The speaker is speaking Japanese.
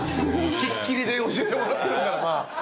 付きっきりで教えてもらってるからな。